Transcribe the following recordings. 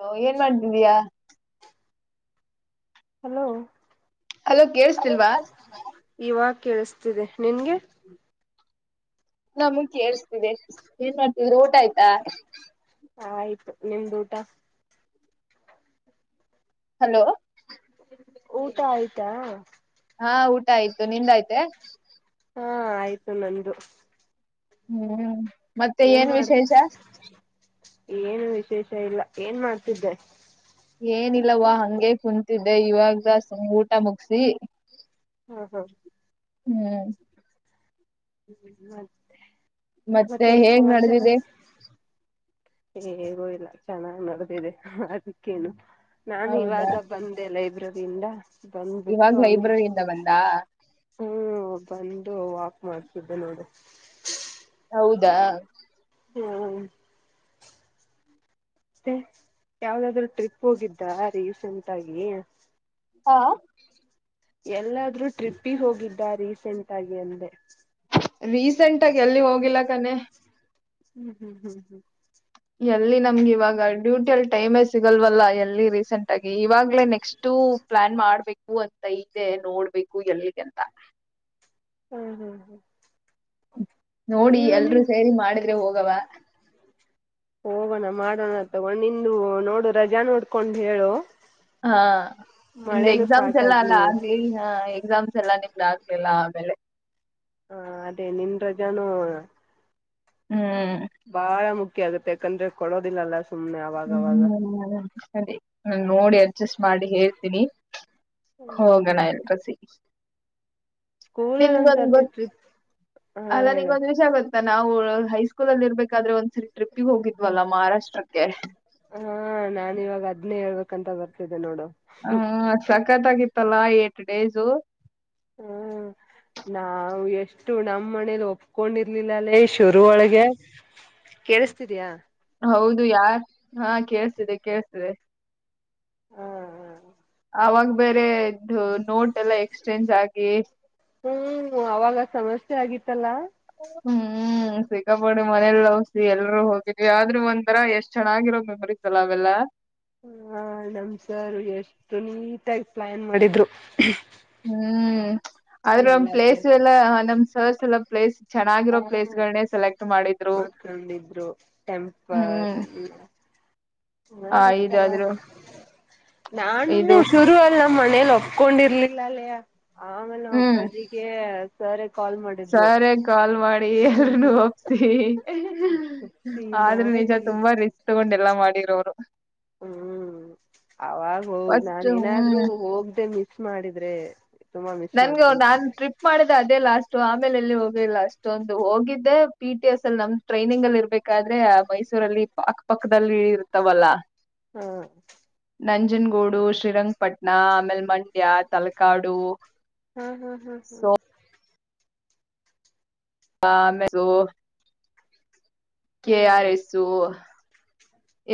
ಹ ಏನ್ ಮಾಡ್ದಿವ್ಯಾಾ hello hello ಕೇೇಳಸ್ತಿಲ್ವಾ ಇವಾಗ ಕೇಳಿಸ್ತಿದೆ ನಿನ್ಗೆ ನಾ ಮುಖಿ ಳ್ಸ್ತಿದೆ ಏನ್ ಮಾಡ್ತಿದ್ರರು ಊಟ ಆಯ್ತಾ ಆ ಆಯ್ತು ನಿಮ್ದು ಊಟ ಹಲೋ ಊಟ ಆಯ್ತಾ ಹಾ ಊಟ ಆಯ್ತು ನಿಂದಾಯ್ತೆ ಹಾ ಆಯ್ತು ನಂದು [inaudible] ಮತ್ತೆ ಏನ್ ವಿಶೇಷ ಏನು ವಿಶೇಷ ಇಲ್ಲ ಏನ್ ಮಾಡ್ತಿದ್ದೆ ಏನಿಲ್ಲವಾ ಹಂಗೆ ಕುೂಂತಿದ್ದೆ ಇವಾಗದ ಊಟ ಮುಗಸಿ ಹ ಹಾ ಹ್ಮ್ [inaudible] ಮತ್ತೆ ಮತ್ತೇನ್ ಹೇಗ್ ನಡೆದಿದೆ ಹೇಗು ಇಲ್ಲ ಚೆನ್ನಾಗ್ ನಡೆದಿದೆ ಅದಕ್ಕೇನು ನಾನು ಹೌದಾ ಇವಾಗ ಬಂದೆ ಲೈಬ್ರರಿಯಿಂದ ಬಂದ್ಬಿಟ್ಟು ಇವಾಗ ಹಂಗೆ ಲೈಬ್ರರಿಯಿಂದ ಬಂದಾ ಹ್ಮ್ ಬಂದು ವಾಕ್ ಮಾಡ್ತಿದ್ದೆ ನೋಡು ಹೌದಾ ಹ್ಮ ಮತ್ತೆ ಯಾವ್ದಾದ್ರು ಟ್ರಿಪ್ ಹೋಗಿದ್ದ ರೀಸೆಂಟ್ ಆಗಿ ಹಾ ಎಲ್ಲಾದ್ರೂ ಟ್ರಿಪ್ಪಿಗೆ ಹೋಗಿದ್ದ ರೀಸೆಂಟ್ ಆಗಿ ಅಂದೆ ರೀಸೆಂಟ್ ಆಗಿ ಎಲ್ಲಿ ಹೋಗಿಲ್ಲ ಕನೆ ಹ್ಮ್ ಹ್ಮ್ ಹ್ಮ್ ಹ್ಮ್ [inaudible] ಎಲ್ಲಿ ನಮ್ಗೆ ಇವಾಗ ಡ್ಯೂಟಿ ಅಲ್ಲಿ ಟೈಮೆ ಸಿಗಲ್ವಲ್ಲ ಎಲ್ಲಿ ರೀಸೆಂಟ್ ಆಗಿ ಇವಾಗ್ಲೇ ನೆಕ್ಸ್ಟ್ ಪ್ಲಾನ್ ಮಾಡ್ಬೇಕು ಅಂತ ಇದೇ ನೋಡ್ಬೇಕು ಎಲ್ಲಿಗೆ ಅಂತ [inaudible] ಹ್ಮ್ ಹ್ಮ್ ಹ್ಮ್ ನೋಡಿ ಇವನ ಎಲ್ರೂ ಸೇರಿ ಮಾಡಿದ್ರೆ ಹೋಗವ ಹೋಗೋಣ ಮಾಡೋಣ ತಗೊಂಡು ನಿಂದು ನೋಡು ರಜಾ ನೋಡ್ಕೊಂಡು ಹೇಳು ಹಾ ನಿಮ್ದ ಮಳೆನೂ ಎಕ್ಸಾಮ್ಸ್ ಸ್ಟಾರ್ಟ್ ಎಲ್ಲ ಅಲ್ಲ ಆಗ್ಲಿ ಹ ಎಕ್ಸಾಮ್ಸ್ ಎಲ್ಲಾ ನಿ [inaudible] [unintelligible] ಆಮೇಲೆ ಹಾ ಅದೇ ನಿನ್ ರಜಾನೂ ಹ್ಮ್ ಬಾಳ ಮುಖ್ಯ ಆಗುತ್ತೆ ಯಾಕಂದ್ರೆ ಕೊಡೋದಿಲ್ಲಲ್ಲ ಸುಮ್ನೆ ಅವಾಗವಾಗ ಹ್ಮ ಅ ನನ್ ನೋಡಿ ಅಡ್ಜಸ್ಟ್ ಮಾಡಿ ಹೇಳ್ತೀನಿ ಹೋಗಣ ಹ್ಮ್ ಎಲ್ರು ಸಿಕ್ಕಿ ಸ್ಕೂಲ್ ಅಲ್ಲಿ ಒಂದ್ ಸತಿ ಟ್ರಿಪ್ ಹಾ ಅಲ್ಲಾ ನಿಗ ಹೇಳು ಒಂದ ವಿಷಯ ಗೊತ್ತಾ ನಾವು ಹೈಸ್ಕೂಲ್ ಅಲ್ಲಿ ಇರ್ಬೇಕಾದ್ರೆ ಒಂದು ಟ್ರಿಪ್ಪಿಗೆ ಒಗಿದ್ವಲ್ವ ಮಹಾರಾಷ್ಟ್ರಕ್ಕೆ ಕಂಟ ಬರ್ತಿದೆ ನೋಡು ಹ್ಮ ಸಕತ್ ಆಗಿತ್ತಲ್ಲಾ ಏಟ್ ಡೇಸು ಹ್ಮ್ ನಾವವು ಎಷ್ಟು ನಮ್ಮ್ ಮನೇಲಿ ಒಪ್ಕೊಂಡಿರ್ಲಿಲ್ಲಲ್ಲೇ ಶುರುವ ಒಳಗೆ ಕೇಳಿಸತಿದಯಾ ಹೌದು ಯಾರ್ ಹಾ ಕೇಳ್ತಿದೆ ಕೇಳ್ತಿದೆ ಹ್ಮ್ ಹ್ಮ್ ಅವಾಗ ಬೇರೆ ನೋಟ್ ಎಲ್ಲ ಎಕ್ಸ್ಚೇಂಜ್ ಆಗಿ ಹ್ಮ್ ಅವಾಗ ಸಮಸ್ಯೆ ಆಗಿತ್ತಲ್ಲಾ ಹ್ಮ್ ಸಿಕ್ಕಾಪಡು ಮನೇಲೀ ಒಪ್ಸಿ ಎಲ್ರುೂ ಹೋಗಿದ್ವಿ ಆದ್ರೂ ಒಂದ ಒಂಥರಾ ಎಷ್ಟ್ ಚನ್ನಾಗಿರೋ ಮೆಮೊರಿಸ್ ಅಲ್ಲ ಅವೆಲ್ಲ ಹ ನಮ್ಸಾರು ಎಷ್ಟು ನೀಟಾಗಿ ಪ್ಲಾನ್ ಮಾಡಿದ್ರು ಹ್ಮ್ ಆದ್ರ ಒಂದು ಪ್ಲೇಸ್ ಎಲ್ಲ ನಮ್ ಸರ್ಸ್ ಎಲ್ಲ ಪ್ಲೇಸ್ ಚನ್ನಾಗಿರೋ ಪ್ಲೇಸ್ಗಳನ್ನೇ ಸೆಲೆಕ್ಟ್ ಮಾಡಿ ಮತ್ಕೊಂಡಿದ್ರು ಟೆಂಪಲ್ ಹ್ಮ್ ಆ ನತ್ತ ಇದಾದ್ರು ನಾನು ಇದು ಶುರು ಅಲ್ಲ ಮ ಮನೇಲಿ ಒಪ್ಕೊಂಡಿರ್ಲಿಲ್ಲ ಅಲ್ಲಯ ಆಮನ ಹ್ಮ್ ಅಪ್ಪಾಜಿಗೆ ಸರ್ ಕಾಲ್ ಮಾಡಿದ್ರು ಸರೇ ಕಾಲ್ ಮಾಡಿ ಎಲ್ಲ ಒಪ್ಸಿ ಒಪ್ಸಿ ಆದ್ರೆ ನಿಜ ಮಾಡಿ ತುಂಬಾ ರಿಸ್ಕ್ ತಗೊಂಡು ಎಲ್ಲ ಮಾಡಿ ಇರೋರು ಹ್ಮ್ ಅವಾಗ ಹೋಗ ಫಸ್ಟ್ ನಾನ ಹ್ಮ್ ನಾದ್ರರು ಹೋಗ್ದೆ ಮಿಸ ಮಾಡಿದ್ರೆ ತುಂಬಾ ಮಿಸ್ ನನ್ಗ ನಾನ್ ಮಾಡ್ಕೊಂತಿದ್ದೆ ಟ್ರಿಪ್ ಮಾಡಿದೆ ಅದೇ ಲಾಸ್ ಆಮೇಲೆ ಎಲ್ಲಿ ಹೋಗಲಿಲ್ಲ ಅಷ್ಟೊಂದು ಹೋಗಿದ್ದೆ ಪಿ ಟಿ ಎಸ್ ಅಲ್ಲಿ ನಮ್ದ ಟ್ರೈನಿಂಗ ಅಲ್ಲಿ ಇರ್ಬೇಕಾದ್ರೆ ಮೈಸೂ ಮೈಸೂರಲ್ಲಿ ಅಕ್ಕ ಪಕ್ಕದಲ್ಲಿ ಇ ಇರ್ತವಲ್ಲ ಹ್ಮ ನಂಜನಗೂಡು ಶ್ರೀರಂಗಪಟ್ಣ ಅಮೆಲ್ಮಂಡ್ಯ ತಲಕಾಡು ಹ್ಮ್ ಹ್ಮ್ ಹ್ಮ್ ಹ್ಮ್ ಹಾ ಮ ಕೆ ಆರ್ ಹ್ಮ್ ಎಸ್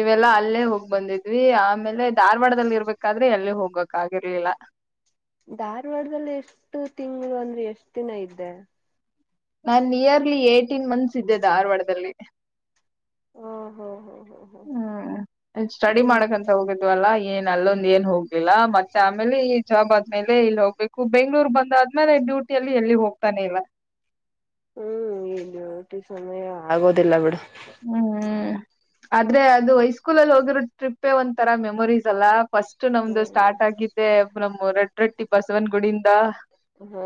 ಇವೆಲ್ಲಾ ಅಲ್ಲೇ ಹೋಗಿ ಬಂದಿದ್ವಿ ಆ ಆಮೇಲೆ ಧಾರವಾಡದಲ್ಲಿ ಇರ್ಬೇಕಾದ್ರೆ ಎಲ್ಲಿ ಹೋಗ್ಕ್ಗಿರ್ಲಿಲ್ಲ ಧಾರವಾಡದಲ್ಲಿ ಎಷ್ಟು ತಿಂಗಳು ಅಂದ್ರೆ ಎಷ್ಟ್ ದಿನ ಇದ್ದೆ ನಾನ್ ನಿಯರ್ಲಿ ಏಟೀನ್ ಮಂತ್ಸ್ ಇದ್ದೆ ಧಾರವಾಡದಲ್ಲಿ ಹಓ ಹೋ ಹ ಹ್ಮ್ ಸ್ಟಡಿ ಮಾಡಕಂತ ಹೋಗಿದ್ವಲ್ಲಾ ಏನ್ ಅಲ್ಲೊಂದ ಏನ್ ಹೋಗ ಇಲ್ಲ ಮತ್ತೆ ಆಮೇಲೆ ಹಜಾಬಾದ್ಲೆ ಇಲ್ಲಿ ಹೋಗ್ಬೇಕು ಬೆಂಗ್ಳೂರ್ ಬಂದಾದ್ಮೇಲೆ ಡ್ಯೂಟಿ ಅಲ್ಲಿ ಎಲ್ಲಿ ಹೋಗ್ತಾನೆ ಇಲ್ಲ ಹ್ಮ್ ಇಲ್ಲಿಟಿ ಸಮಯ ಆಗೋದಿಲ್ಲ ಬಿಡ ಹ್ಮ್ ಆದ್ರೆ ಅದು ಹೈಸ್ಕೂಲಲ್ಲಿ ಹೋಗಿರೋ ಟ್ರಿಪ್ಪೇ ಒಂಂತರ ಮೆಮೊರೀಸ್ ಅಲ್ಲಾ ಫಸ್ಟ್ ನಮ್ದು ಹ್ಮ ಸ್ಟಾರ್ಟ್ ಆಗಿದ್ದೆ ನಮ್ಮ ರೊಡ್ ರೊಟ್ಟಿ ಬಸವನ್ ಗುಡಿಂದ ಹಾ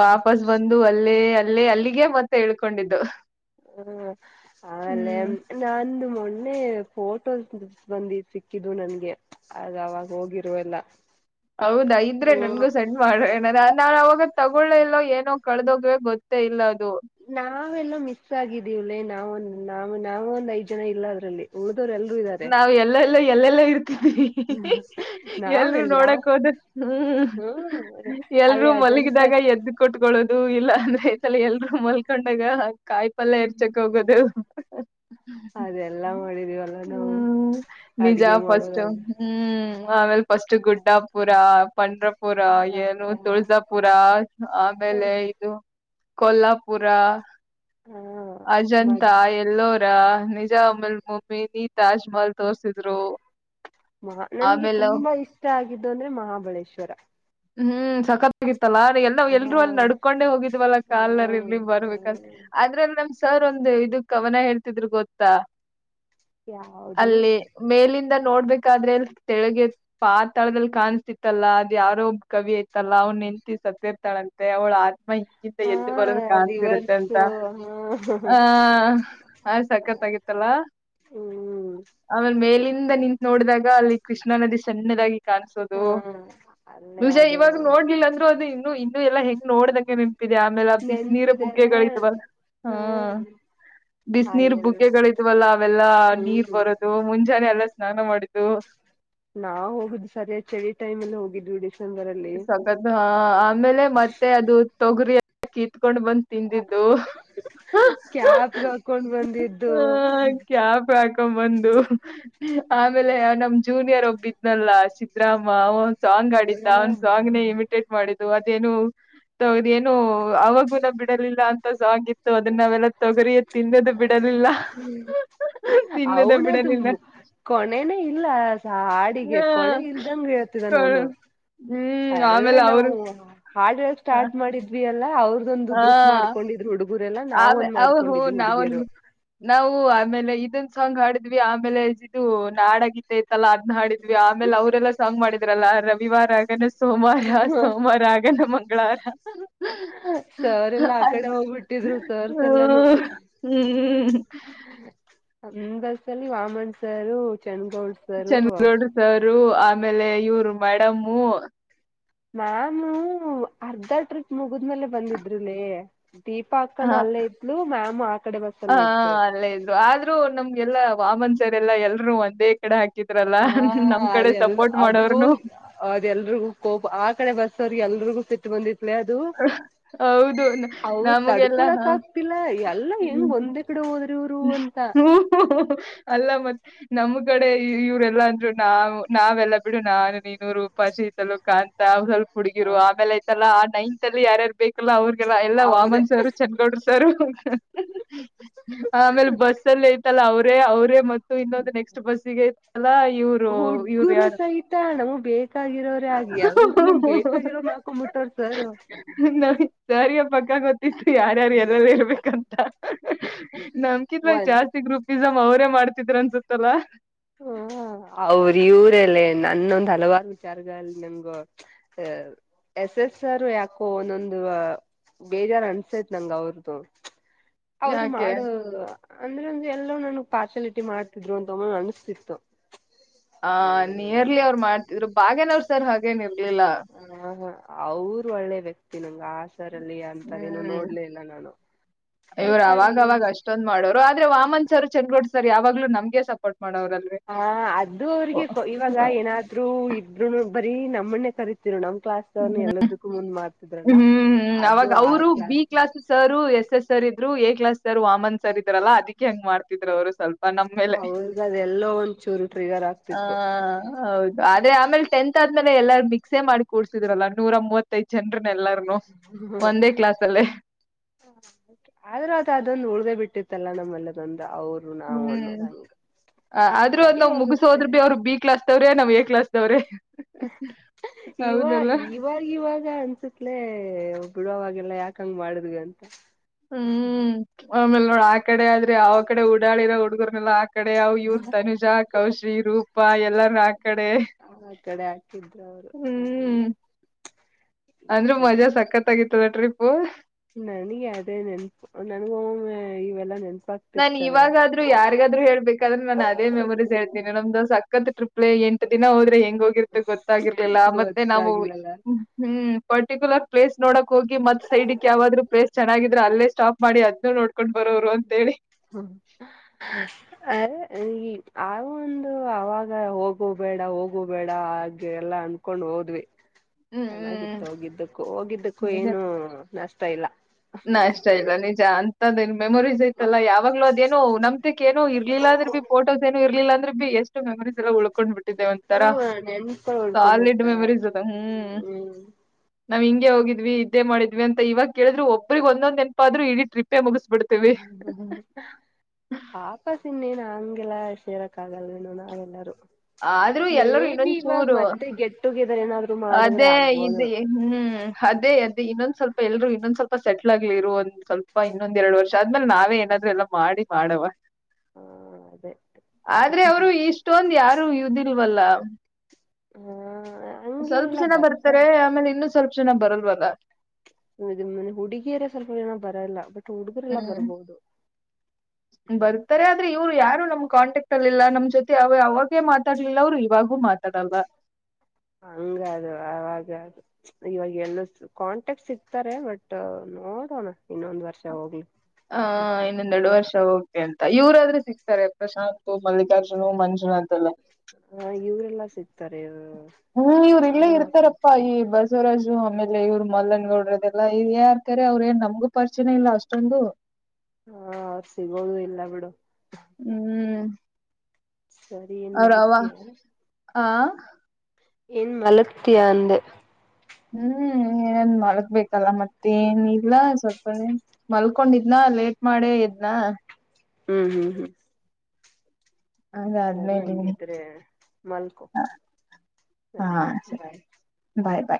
ವಾಪಸ್ ಬಂದು ಅಲ್ಲೇ ಅಲ್ಲಿ ಅಲ್ಲಿಗೆೇ ಮತ್ತೆ ಹೇಳ್ಕೊಂಡಿದ್ದು ಹ್ಮ ಆಲ್ಲ ನಂದು ಮ ಮೊನ್ನೆ ಫೋಟೋ ಬಂದಿ ಸಿಕ್ಕಿದು ನನ್ಗೆ ಆಗ ಅವಾಗ ಹೋಗಿರುವ ಎಲ್ಲ ಹೌದಾ ಇದ್ರೆ ನನ್ಗೂ ಹ್ಮ ಸಣ್ ಮಾಡ್ರ ಏನ ನಾವಾಗ ತಗೊಳ್ಳ ಇಲ್ಲ ಏನೋ ಕಳೆದೋಗೆ ಗೊತ್ತೇ ಇಲ್ಲ ಅದು ನಾವೆಲ್ಲ ಮಿಸ್ ಆಗಿದೀವಲ್ಲೇ ನಾವೊಂದ ನಾವ್ ನಾವ ಒಂದ್ ಐದ್ ಜನ ಇಲ್ಲ ಅದ್ರಲ್ಲಿ ರೆ ಎಲ್ಲರೂ ಇದ್ದಾರೆ ಎಲ್ಲೆಲ್ಲಾ ಇ ಎಲ್ರುೂ ನಾವೆಲ್ಲಿ ಯಾವ ನೋಡಕ್ ಹೋದು ಹ್ಮ ಹ್ಮ ಎಲ್ರುೂ ಅಲ್ಲಿ ಅಜಂತ ಮಲಗಿದಾಗ ಎದ್ದು ಕೊಟ್ಗಳು ಅದು ಇಲ್ಲ ಅಂದ್ರೆ ಈ ಸಲ ಎಲ್ರು ಮಲ್ಕೊಂಡಾಗ ಕಾಯಿ ಪಲ್ಯ ಎರ್ಚಕ್ ಹೋಗೋದು. ಅದೆಲ್ಲಾ ಮಾಡಿದೀವಲ್ಲ ನಾವು ಹ್ಮ್ ನಿಜ ಅಡ್ಗೆ ಫಸ್ಟ್ ಮಾಡೋದಾಗ ಹ್ಮ್ ಆಮೇಲ್ ಫಸ್ಟ್ ಗುಡ್ಡಾಪುರ ಪಂಡ್ರಪುರ ಏನು ಆತರ ತುಳಜಾಪುರ ಆಮೇಲೆ ಇದು ಕೊಲ್ಲಾಪುರ ಹಾ ಮ ಅಜಂತಾ ಎಲ್ಲೋರ ನಿ ಮಲ್ ಮೊಮಿನಿ ತಾಜ್ಮಹಲ್ ತೋರ್ಸಿದ್ರು ಮಹ ನನಗೆ ಆಮೇಲೆ ತುಂಬಾ ಇಷ್ಟ ಆಗಿದ್ದು ಅಂದ್ರೆ ಮಹಾಬಳೇಶ್ವರ ಹ್ಮ್ ಸಕತ್ಗಿತ್ತಲ್ಲಾ ಎಲ್ಲ ಹಾ ಎಲ್ರೂ ಅಲ್ಲಿ ನಡ್ಕೊಂಡೆ ಹೋಗಿದ್ವಲ್ಲಾ ಹಾ ಕಾಲ್ನರ್ ಇರ್ಲಿ ಬರ್ಬೇಕಲ್ ಆದದ್ರಲ್ಲಿ ನಮ್ ಸರ್ ಒಂದು ಇದಕ್ ಅವನ ಹೇಳ್ತಿದ್ರು ಗೊತ್ತಾ ಯಾವುದು ಅಲ್ಲಿ ಮೇಲಿಂದ ನೋಡ್ಬೇಕಾದ್ರೆ ತೆಗೆ ಪಾತಾಳದಲ್ಲಿ ಕಾಣಸ್ತಿತ್ತಲ್ಲಾ ಅದ ಯಾರೋ ಕವಿ ಆಯ್ತಲ್ಲ ಅವ್ನ ನೆನ್ಂತ ಸತ್ತ ಇರ್ತಾಳಂತೆ ಅವಳ ಮ್ಮ ಈಗಿಂತ ಹಾ ಎದ್ದು ಬರೋದ ಕಾಣ್ಸಿರುತ್ತೆ ರಿವರ್ಸ್ ಅಂತ ಹಾ ಹ ಆ ಸಖತ್ ಆಗತ್ತಲ್ಲ ಹ್ಮ್ ಆಮೇಲೆ ಮೇಲಿನ ದ ನಿಂತತ್ ನೋಡಿದಾಗ ಅಲ್ಲಿ ಕೃಷ್ಣಾ ನದಿ ಸಣ್ಣದಾಗಿ ಕಾಣಸೋದು ಹಾ ಅಲ್ಲೇ ನುಜ ಅದು ಇವಾಗ ನೋಡ್ಲಿಲ್ಲ ಅಂದ್ರರು ಅದು ಇನ್ನು ಇನ್ನು ಎಲ್ಲಾ ಹೆಂಗ್ ನೋಡ್ದಂನ್ ದೆ ಆಮೇಲೆ ಬಿಸ ನೀರು ನೆನ್ಪಿದೆಲ್ಲ ಬುಗ್ಗೆಗಳಿದವಲ ಹ್ಮ ಹ್ಮ್ ಬಿಸ ನೀರ್ ಅಲ್ಲೆಲ್ಲ ಬುಗ್ಗೆಗಳಿದ್ವಲ್ಲ ಅವೆಲ್ಲ ನೀರ್ ಹ್ಮ್ ಬರೋದು ಮುಂಜಾನೆ ಎಲ್ಲ ನಾನು ಮಾಡಿದ್ದು ನಾ ಹೋಗುದು ಸರಿಯ ಚಳಿ ಟೈಮ್ಲ್ ಹೋಗಿದ್ ಬಿಡ ಸಖತ್ ಹ ಆಮೇಲೆ ಮತ್ತೆ ಅದು ತೊಗರಿ ಕೀತಿ ಕತ್ಕೊಂಡ್ ಬಂದ ತಿಂದಿದ್ದು ಹ ಕ್ಯಾಬ್ಗೆ ಹಾಕೊಂಡ್ ಬಂದಿದ್ದು ಕ್ಯಾಪ್ ಹಾಕೊ ಬಂದು ಆಮೇಲೆ ನಮ ಜೂನಿಯರ್ ಒಬ್ಬ ಬಿದ್ದ ನಲ್ಲ ಸಿದತ್ರರಾಮ ಅವ ಸಾಂಗ್ ಆಡಿದ್ದ ಅವನ್ ಸಾಂಗ್ನೆೇ ಇಮಿಟೇಟ್ ಮಾಡಿದ್ದು ಏನು ಏನು ಅವಗುಣ ಬಿಡಲಿಲ್ಲ ಅಂತ ಸಾಂಗ ಅದನ್ನ ನಾವೆಲ್ಲ ತೊಗರಿಯ ತಿನ್ನದು ಬಿಡಲಿಲ್ಲ ತಿನ್ನದ ಅವನದು ಬಿಡಲಿಲ್ಲ ಕೊಣೆನೇ ಇಲ್ಲ ಹಾಡಿಗೆ ಹಾ ಕೊನೆೆ ಇಲ್ದಂಗಗೆ ಹೇ ನೋನು ಕೊ- ಹ್ಮ್ ಅಲ್ಲೇ ಆಮೇಲೆ ಅವರು ನಾವು ಹಾಡ್ ಸ್ಟಾರ್ಟ್ ಮಾಡಿದ್ವಿ ಎಲ್ಲ ಅವ್ರದೊಂದು ಗ್ರೂಪ್ ಮಾಡ್ಕೊಂಡಿದ್ ಹುಡುಗ ಆ ಹ ನಾವ ನಾವು ಆಮೇಲೆ ಇದೊಂದು ಸಾಂಗ್ ಹಾಡಿದ್ವಿ ಆಮೇಲೆದುು ನಾಡಗಿ ಎಲ್ಲ ಹಾಡದ್ವಿ ಆಮೇಲೆ ಅವ್ರಲ್ಲ ಸಾಂಗ್ ಮಾಡಿದ್ರಲ್ಲ ರವಿವಾರ ಆಗ ಸೋಮವಾರ, ಸೋಮವಾರ ಆಗನ್ ಮಂಗಳವಾರ ಹ್ಮ ಸರ್ ಎಲ್ಲಾ ಆ ಅದ್ ಕಡೆ ಹೋಗ್ಬಿಟ್ಟಿದ್ರು ಸರ್ಸ್ ಎಲ್ಲಾನೂ ಹ್ಮ್ ಹ್ಮ್ ಬಸ್ಸಲ್ಲಿ ವಾಮಣಸಾರು ಚನ್ನೌಡ್ ಸಾರು ಆಮೇಲೆ ಇವರು ಮೇಡಮ್ಮು ಮ್ಯಾಮು ಅರ್ಧ ಟ್ರಿಪ್ ಮುಗಿದಮೇಲೆ ಬಂದಿದ್ರು ಲೇ ದೀಪ ಹ ಅಕ್ಕನ ಅಲ್ಲೇ ಇದ್ಲು ಮ್ಯಾಮು ಆ ಕಡೆ ಬಸ್ಸಲ್ಲೇ ಇದ್ಲು ಇದು ನಮ್ಗೆಲ್ಲಾ ವಾಮನ್ ಸರ್ ಎಲ್ಲಾ ಎಲ್ರು ಒಂದೇ ಕಡೆ ಹಾಕ ಹ ಅದೆಲ್ ಅದು ಮಾಡೋರ್ನು ಅದೆ ಎಲ್ರಿಗೂ ಕೋಪ ಆ ಕಡೆ ಬಸ್ ಸರ್ ಎಲ್ರಿಗೂ ಸಿಟ್ಟು ಬಂದಿತ್ತು ಅದು ಹೌದು ಅವರು ನಮಗೆಲ್ಲಾ ಹ ತಡ್ಕೊಳಕ್ ಆಗ್ತಿಲ್ಲ ಎಲ್ಲ ಹೆಂಗ ಒಂದೇ ಕಡೆ ಹೋದ ಹ್ಮ ಅಲ್ಲ ಮತ್ತ್ ನಮ್ ಕಡೆ ಇವ್ರಲ್ಲಾ ಅಂದ್ರು ನಾವ ನಾವೆಲ್ಲ ಬಿಡು ನಾನು ನೀ ರೂಪಾ, ಶಿ ಕಾಣಂತಾ ಅವ್ ಸ್ವಲ್ಪ ಹುಡುಗಿರು ಹ ಆಮೇಲೆ ಆಯ್ತಲ್ಲ ಆ ನೈನ್ತ್ ಅಲ್ಲಿ ಯಾರ್ಯಾರು ಬೇಕಲ್ಲ ಅವ್ರ ಎಲ್ಲ ವಾಮನ್ ಅವ್ರೇ ಸಾರ, ಚನ್ನಗೌಡರು ಸಾರ, ಆಮೇಲೆ ಬಸ್ಸಲ್ಲಿ ಐತಲ್ ಅವ್ರೇ ಅವರೇ ಮತ್ತು ಇನ್ನೊಂದು ನೆಕ್ಸ್ಟ್ ಬಸ್ಸಿಗೆ ಎಲ್ಲ ಇವರು ಇವ್ರು ಹುಡ್ಗುರು ಯಾರು ಸಹಿತ ನಮಗ್ ಬೇಕಾಗಿರೋರೇ ಆಗಿ ಎಲ್ರು ನಮ್ ಬೇಕಾಗಿರೋರ್ ಹಾಕೊಂಡ್ಬಿಟ್ಟವ್ರ ಸರ್ ನಾವ ಸರ್ ಗೆ ಪಕ್ಕಾ ಗೊತ್ತಿಲಾ ಯಾರ್ಯಾರು ಎಲ್ಲೆಲ್ಲ ಇರ್ಬೇಕಂತ ಹ್ಮ ನಮ್ಕಿದ್ವಾಗ ಜಾಸ್ತಿ ಗ್ರೂಪಿಸಮ್ ಅವರೇ ಮಾಡ್ತಿದ್ರ ಅನ್ಸತ್ತಲ್ಲ. ಹ ಅವ್ರ ಇವರಲ್ಲ ನನ್ನೊಂದ್ ಹಲವಾರು ವಿಚಾರಗಳಲ್ಲಿ ನಮ್ಗು ಅ ಎಸ್ ಎಸ್ ಸರ್ ಯಾಕೋ ಒಂದೊಂದು ಬೇಜಾರ ಅನ್ಸೈತ್ ನಂಗ ಅವ್ರದುು ಅವ್ರು ಯಾಕೆ ಮಾಡವರು ಅಂದ್ರೆ ಒಂದ ಎಲ್ಲ ನನ್ಗ್ ಪಾರ್ಷಲಿಟಿ ಮಾಡ್ತಿದ್ರು ಅಂತ ಒಮ್ಮೊಮ್ಮೆ ಅನ್ಸುತ್ತ [unintelligible] ಆ ನಿಯರ್ಲಿ ಅವ್ರು ಮಾಡ್ತಿದ್ರು ಬಾಗೇನವರು ಸರ್ ಹಾಗೇನ್ರ್ಲಿಲ್ಲ ಅವರು ಒಳ್ಳೆ ವ್ಯಕ್ತಿ ನಂಗೆ ಆ ಸರ್ ಲ್ಲಿ ಅಂತದೇನನು ಹ್ಮ್ ನೋಡ್ಲ ಇಲ್ಲ ನಾನು ಇವ್ರು ಸ್ವಲ್ಪ ಅವಾಗವಾಗ ಅಷ್ಟೊಂದ್ ಮಾಡೋರು ಆದ್ರೆ ವಾಮನ್ ಸರ್ ಚಂದಗೂಡ್ ಸರ್ ಯಾವಾಗ್ಲೂ ನಮ್ಗೆ ಸಪೋರ್ಟ್ ಮಾಡೋರಲ್ರಿ ಹ ಅದು ಅವ್ರಿಗೆ ಇವಾಗ ಏನಾದ್ರು ಇಬ್್ರರು ಬ ರಿ ನಮ್ಮಣೇ ಕರಿೀತಿೀರು ನ್ ಕ್ಲಾಸ್ವನ ಎಲ್ಲದಕ್ಕೂ ಮುಂದ್ ಮಾತ ಹ್ಮ್ ಹ್ಮ್ ಅವಾಗ ಅವರು ಬಿ ಕ್ಲಾಸ್ ಸಾರ ಎಸ್ ಸರ್ ಇದ್ರು A class sir Vaman sir ಇದ್ರಲ್ಲ ಅದಕ್ಕೆ ಹೆಂಗ್ ಮಾಡ್ತಿದ್ರು ಅವರು ಸ್ವಲ್ಪ ನೇಲೆ ಅವ್ರಗ ಅದೆಲ್ಲೋ ಒಂದ್ಚೂರು ಟ್ರಿಗರ್ ಹ ಆಗ್ತಿತ್ತು ಹೌದು ಆದೆ ಆಮೇಲೆಟೆಂತ್ ಆದ್ಮೇಲೆ ಎಲ್ಲಾರು ಮಿಕ್ಸೇ ಮಾಡಿೂಡ್ಸಿದ್ರಲ್ಲ ನೂರ ಮೂವತ್ತೈದು ಜನರು ಹ್ಮ ಆದ್ರ ಅದು ಅದೊಂದು ಉಳ್ಗ ಬಿಟ್ಟಿತ್ತು ತಲ್ಲ ನಮ್ಮ ಅಲ್ಲದ ಹ್ಮ್ ಆದ್ರೂ ಒಂದ್ ಸರಿ ನಾವ್ ಹೋಗುತ್ತೆ ಮುಗಸೋದ್ರ ಬಿ ಅವ್ರು ಬಿ ಕ್ಲಾಸ್ ತವ್ರೆ ನಾವ್ ಎ ಕ್ಲಾಸ್ ದೊರೆ ಇವ ಇವ ಇವಾಗ ಅನ್ಸತ್ಲೇ ಬಿಡವಾಗೆಲ್ಲ ಯಾಕ ಹಂಗ ಮಾಡದ್ವಿ ಅಂತ ಹ್ಮ್ ಆಮೇಲ್ ನೋಡ್ ಆ ಕಡೆ ಆದ್ರೆ ಆ ಕಡೆ ಓಡಾಳಿರೋ ಹುಡ್ಗರ್ನೆಲ್ಲ ಆ ಕಡೆ ಅವ್ ಇವ್ರ ತನುಜಾ ಕೌಶಿ ರೂಪ ಎಲ್ಲಾರ ಕಡೆ ಆ ಕಡೆ ಹಾಕಿದ್ರು ಅವರು ಹಗೆ ಅಂದ್ರೆ ಮಜಾ ಸಕ್ಕತ್ ಆಗತ್ತದ ಟ್ರಿ ಫುಲ್ ನನಗೆ ಅದೇ ನೆನ್ಪು ನನಗೊಮ್ಮ ಇವೆಲ್ಲಾ ನೆನ್ಪ ನಾನ್ ಇವಾಗಾದ್ೂ ಯಾರಿಗಾದ್ರು ಹೇಳ್ಬೇಕಾದ್ರೆ ನಾನು ಅದೇ ಮೆಮೊರಸ್ ಹೇಳ್ತೀನಿ ನಮ್ದು ಸಾಕ್ ಕತ್ ಟ್ರಿಪ್ಲೆ ಎಂಟ ದಿನ ಹೋದ್ರೆ ಹೆಂಗ ಹೋಗಿರ್ತ ಗೊತ್ತಾಗಿರ್ಲಿಲ್ಲ ಮತ್ತೆ ನಾವು ಗೊತ್ತಾಗಿಲ್ಲಲ್ಲ ಹ್ಮ್ ಪರ್ಟಿಕ್ಯುಲರ್ ಪ್ಲೇಸ್ ನೋಡಕ್ ಹೋಗಿ ಮತ್ ಸೈಡ್ಕ್ ಯಾವಾದ್ೂ ಪ್ಲೇಸ್ ಚೆನ್ನಿದ್ರೆ ಅಲ್ಲೇ ಸ್ಟಾಪ್ ಮಾಡಿ ಅದನು ನೋಡ್ಕೊಂಡು ಬರೋರು ಅಂತೇಳಿ. ಹ ಅ ಆ ಒಂದು ಅವಾಗ ಹೋಗು ಬೇಡ ಹೋಗು ಬೇಡ ಹಾಗ ಎಲ್ಲ ಅನ್ಕೊಂಡು ಹ ಹೋದ್ವಿ ಹ್ಮ್ ಹ್ಮ್ ಚೆನ್ನಾಗಿತ್ತು ಹೋಗಿದ್ದಕ್ಕೂ ಹೋಗಿದ್ದಕ್ಕೂ ಏನು ನಷ್ಟ ಇಲ್ಲ ನಾ ಅಷ್ಟ ಇಲ್ಲ ನಿಜ ಅಂತದನ್ ಮೆಮೊರೀಸ್ ಇಐತ್ತಲ್ಲಾ ಯಾವಾಗ್ೂ ಅದೇನೋ ನಮ್ತೆಿಕ ಏನೋ ಇ ಇರಿಲ್ಲಾ ಆಂದುರ್ ಬಿ ಫೋಸ್ ಏನು ಇರ್ಲಲ್ಲ ಅ್ರದ್ರು ಬಿ ಎಷ್ಟು ಮೆಮರರಿಸ್ ಎಲ್ಲ ಉಳ್ಕೊಂಡ್ ಬಿಟ್ಟು ಇದೇಟ್ಟ ಒಂಥರ ಹ್ಮ ನೆನ್ಪಗಳು ಸಾಲಿಡ್ ಉಳ್ಕೊಂಡಿರ್ತಾರೆ ಮೆಮರೀಸ್ ಅದ ಹ್ಮ್ ನಾವ್ ಹಿಂಗ ಹೋಗ್ವಿ ಇದೇ ಮಾಡಿದ್ವಿ ಅಂತ ಇವಾಗ ಕೇಳ್ರರು ಒಬ್ರಗ್ಂದೊ್ೆಪ ಆದರು ಇಡ ಟ್ರಿಪ್ಪೆ ಮುಗಿಸ ಪಪಾ ಸೂನ್ನೆ ನಂಗ ಗೆಲ್ಲ ಶೇರಕ್ ಆಗಲ್ವೇನು ನಾವೆಲ್ಲರೂ ಆದ್ರೂ ಮೇ ಎಲ್ಲರೂ ಬಿ ಇನ್ನೊಂದ್ ಇವಾಗ ಚೂರು ಮತ್ತೆ ಗೆಟ್ ಟುಗೆದರ್ ಏನಾದ್ರು ಮಾಡಿದ್ರೆ ಅದೇ ಇ ಆಗ್ಬೋದು ಹ್ಮ್ ಹ್ಮ್ ಅದೇ ಅದೇ ಇನ್ನೊಂದ್ ಸ್ವಲ್ಪ ಎಲ್ರು ಇನ್ನೊಂದ ಸ್ವಲ್ಪ ಸೆಟ್ಲ್ ಆಗ್ಲಿ ಇೋ ಒಂದ ಸ್ವಲ್ಪ ಇೊಂದ ಎರಡು ವರ್ಷ ಆದ್ಮೇಲೆ ನಾವೇ ಏನಾದ್ರು ಎಲ್ಲ ಮಾಡಿ ಮಾಡವ ಹಾ ಅದೇ ಆದ್ರೆ ಅವರು ಇಷ್ಟೊಂದು ಯಾರು ದೀಲ್ವಲ್ಲ ಹ ಸ್ವಲ್ಪ ಹಂಗೇನಿಲ್ಲ ಜನ ಬರ್ತಾರ ಬರ್ತಾರೆ ಆಮೇಲೆ ಇನ್ನು ಸ್ವಲ್ಪ ಜನ ಬರಲ್ವಾಗ ಮ ಹುಡುಗಿಯರ ಸ್ವಲ್ಪ ಏನ ಬರಲ್ಲ ಬಟ್ ಹುಡುಗರೆಲ್ಲ ಹ್ಮ್ ಬರ್ಬೋುದು ಬರ್ತಾರೆ ಆದ್ರೆ ಇವ್ರು ಯಾರು ನಮ್ ಕಾಂಟ್ಯಾಕ್ಟ್ ಅಲ್ಲಿ ಇಲ್ಲ ನಮ್ ಜೊತೆ ಅವ ಯಾವಾಗ ೆ ಮಾತಾಡ್ಲಿಲ್ಲ ಅವರು ಇವಾಗೂ ಮಾತಾಡಲ್ವ ಹಂಗ ಅದು ಅವಾಗದು ಇವಾಗ ಎಲ್ಲ ಕಾಂಟ್ಯಾಕ್ಟ್ ಸಿಗ್ತಾರೆ ಬಟ್ ನೋಡಣ ಹ ಇನ್ನೊಂದೆರಡು ವರ್ಷ ಹೋಗ್ತೆ ಅಂತ ಇವ್ರಾದ್ರೂ ಸಿಗ್ತಾರೆ ಪ್ರಶಾಂತ್ ಮಲ್ಲಿಕಾರ್ಜುನ ಮಂಜುನಾಥ್ ಎಲ್ಲ ತಾರೆ [unintelligible] ಹ್ಮ್ ಇವ್ರು ಇಲ್ಲೇ ಇರ್ತಾರಪ್ಪಾ ಈ ಬಸವರಾಜು ಅಮೆ [unintelligible] ಇಲ್ಲ ಇವ್ರ ಮಲ್ಲನ್ಗೌಡ್ರದೆಲ್ಲಾ ಇ ಯಾರ್ಕಾರೆ ಅವ್ರ ಏನ್ ನಮ್ಗು ಪರಿಚಯ ಇಲ್ಲ ಅಷ್ಟೊಂದು ಹಾ ಸಿಗೋದು ಇಲ್ಲ ಬಿಡು ಹ್ಮ್ ಸರಿ ಏನ್ ಅವ್ರ ಅವ ಮಲಗತಿಯ ಆ ಎನ್ ಮಲಗತಿಯ ಆಂದೇ ಹ್ಮ್ ಏನ್ ಮಲ್ಗ್ಬೇಕಲ್ಲ ಮತ್ತ ನ್ ಇಲ್ಲ ಸ್ವಲ್ಪ ಮಲ್ಕೊಂಡಿದ್ನ ಲೇಟ್ ಮಾಡೇ ಇದ್ನ ಹ್ಮ್ ಹ್ಮ್ ಹ್ಮ್ ಅದೇ ಆದ್ಮೇಲೆ ಮಲ್ಕೋ ಸರಿ ಬಾಯ್ ಬಾಯ್ ಬಾಯ್.